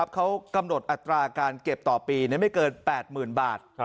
เขากำหนดอัตราการเก็บต่อปีไม่เกิน๘๐๐๐บาท